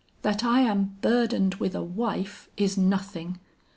That I am burdened with a wife, is nothing.